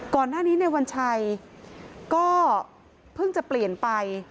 ก่อนหน้านี้ในวันชัยก็เพิ่งจะเปลี่ยนไป